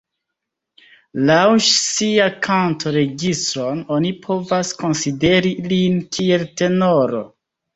Laŭ sia kanto-registron, oni povas konsideri lin kiel tenoro.